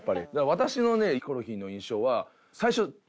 私のねヒコロヒーの印象は。